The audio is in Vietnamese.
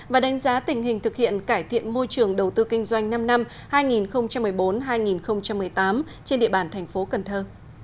và đánh giá tình hình thực hiện cải thiện môi trường đầu tư kinh doanh năm năm hai nghìn một mươi bốn hai nghìn một mươi tám trên địa bàn thành phố cần thơ